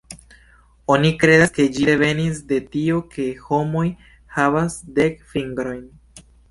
Oni kredas, ke ĝi devenis de tio ke homoj havas dek fingrojn.